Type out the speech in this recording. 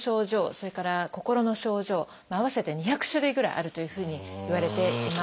それから心の症状合わせて２００種類ぐらいあるというふうにいわれています。